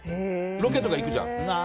ロケとか行くじゃん。